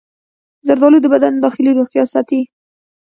زردآلو د بدن داخلي روغتیا ساتي.